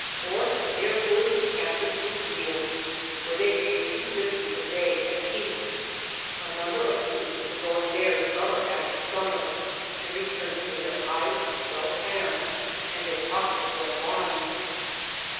Or, there were the Kansas wheat fields, where they paid two fifty a day and keep. A number of students were going there summer after sununer, and returning with their hides well tanned and their pockets well lined.